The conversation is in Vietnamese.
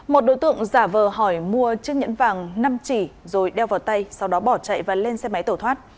một đối tượng giả vờ hỏi mua chiếc nhẫn vàng năm chỉ rồi đeo vào tay sau đó bỏ chạy và lên xe máy tổ thoát